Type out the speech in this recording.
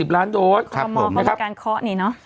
๒๐ล้านโดสคือหมอเขากำลังการเคาะเนี่ยนะ